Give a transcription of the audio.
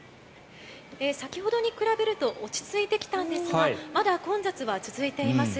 先ほどに比べると落ち着いてきたんですがまだ混雑は続いています。